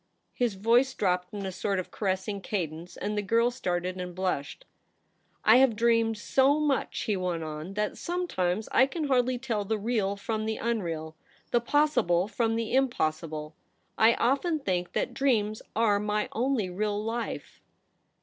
His voice dropped in a sort of caressing cadence, and the girl started and blushed. ' I have dreamed so much,' he went on, ' that sometimes I can hardly tell the real from the unreal — the possible from the impossible. I often think that dreams are my only real life.'